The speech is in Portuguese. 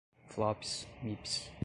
flops, mips